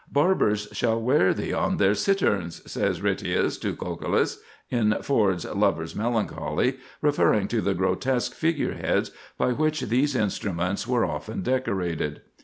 "Barbers shall wear thee on their citterns," says Rhetias to Coculus, in Ford's "Lover's Melancholy," referring to the grotesque figureheads by which these instruments were often decorated.